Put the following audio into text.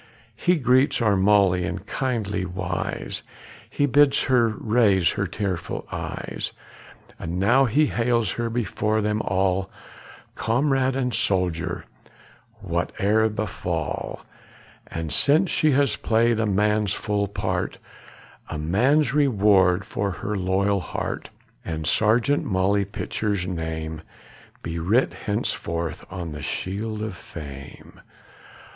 He greets our Molly in kindly wise; He bids her raise her tearful eyes; And now he hails her before them all Comrade and soldier, whate'er befall, "And since she has played a man's full part, A man's reward for her loyal heart! And Sergeant Molly Pitcher's name Be writ henceforth on the shield of fame!"